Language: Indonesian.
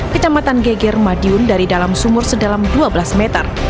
kecamatan geger madiun dari dalam sumur sedalam dua belas meter